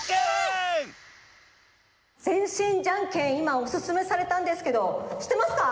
全身じゃんけんいまおすすめされたんですけどしってますか？